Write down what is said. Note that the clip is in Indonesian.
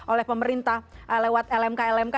oleh pemerintah lewat lmk lmk